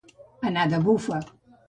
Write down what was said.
Anar de bufa.